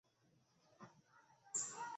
কোনো ঠিকঠাক কাজ কেনো ধরছো না, লাকি?